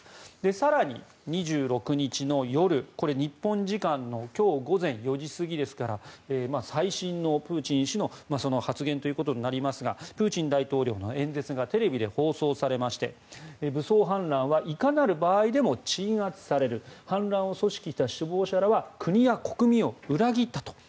更に、２６日の夜日本時間の今日午前４時過ぎですから最新のプーチン氏の発言ということになりますがプーチン大統領の演説がテレビで放送されまして武装反乱はいかなる場合でも鎮圧される反乱を組織した首謀者らは国や国民を裏切ったと。